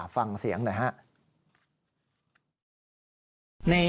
ฟังเสียงนะฮะ